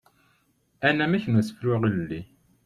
Anamek n usefru ilelli.